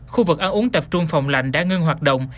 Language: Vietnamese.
khu vực ăn uống tập trung phòng lạnh đã ngưng hoạt động